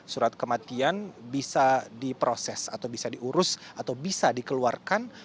surat kematian bisa diproses atau bisa diurus atau bisa dikeluarkan